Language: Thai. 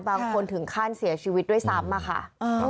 บางคนถึงขั้นเสียชีวิตด้วยซ้ำอะค่ะ